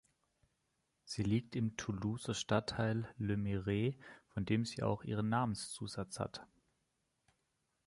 Sie liegt im Toulouser Stadtteil "Le Mirail", von dem sie auch ihren Namenszusatz hat.